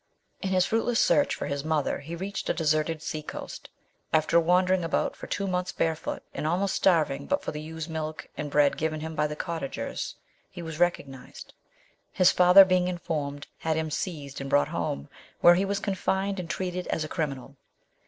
In his fruitless search for his mother he reached a deserted sea coast. After wandering about for two months barefoot, and almost starving but for the ewe's milk and bread given him by the cottagers, he was recognized. His father, being informed, had him seized and brought home, where he was confined and treated as a criminal.